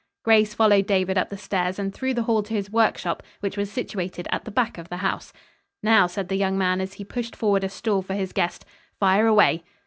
Grace followed David up the stairs and through the hall to his workshop, which was situated at the back of the house. "Now," said the young man, as he pushed forward a stool for his guest, "fire away."